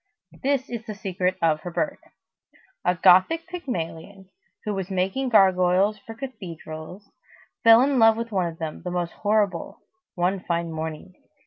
This is the secret of her birth: a Gothic Pygmalion, who was making gargoyles for cathedrals, fell in love with one of them, the most horrible, one fine morning.